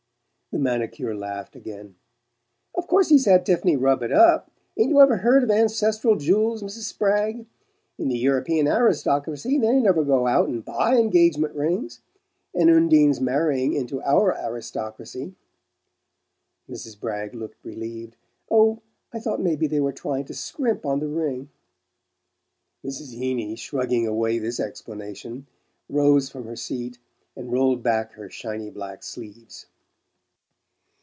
The manicure laughed again. "Of course he's had Tiff'ny rub it up. Ain't you ever heard of ancestral jewels, Mrs. Spragg? In the Eu ropean aristocracy they never go out and BUY engagement rings; and Undine's marrying into our aristocracy." Mrs. Spragg looked relieved. "Oh, I thought maybe they were trying to scrimp on the ring " Mrs. Heeny, shrugging away this explanation, rose from her seat and rolled back her shiny black sleeves.